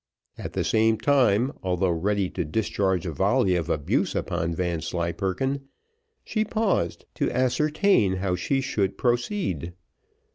At the same time, although ready to discharge a volley of abuse upon Vanslyperken, she paused, to ascertain how she should proceed.